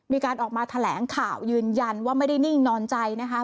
มีการออกมาแถลงข่าวยืนยันว่าไม่ได้นิ่งนอนใจนะคะ